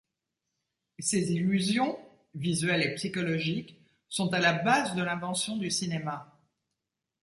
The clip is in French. Ces illusions, visuelle et psychologique, sont à la base de l'invention du cinéma.